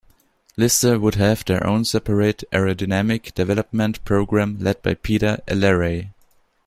Lister would have their own separate aerodynamic development programme led by Peter Elleray.